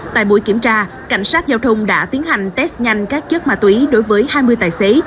tại buổi kiểm tra cảnh sát giao thông đã tiến hành test nhanh các chất ma túy đối với hai mươi tài xế